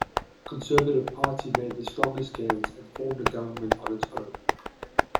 The Conservative Party made the strongest gains and formed a government on its own.